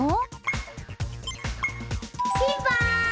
ピンポーン！